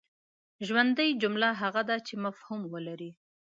ژوندۍ جمله هغه ده چي مفهوم ولري.